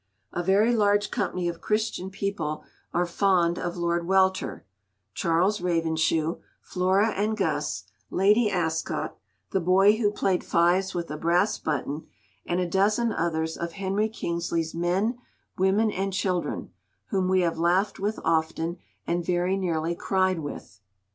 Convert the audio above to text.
A very large company of Christian people are fond of Lord Welter, Charles Ravenshoe, Flora and Gus, Lady Ascot, the boy who played fives with a brass button, and a dozen others of Henry Kingsley's men, women, and children, whom we have laughed with often, and very nearly cried with.